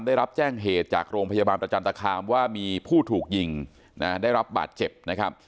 ได้รับแจ้งเหตุจากโรงพยาบาลประจันตคามว่ามีผู้ถูกยิงนะได้รับบาดเจ็บนะครับ